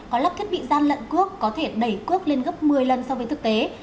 có lắp kết bị gian lận quốc có thể đẩy quốc lên gấp một mươi lần so với thực tế